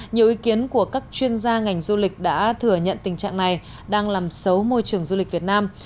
nhiều ý kiến của các chuyên gia ngành du lịch đã thừa nhận tình trạng này đang làm xấu môi trường du lịch việt nam